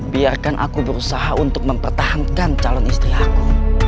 biarkan aku berusaha untuk mempertahankan calon istri aku